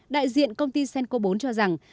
đại diện công ty senco bốn cho rằng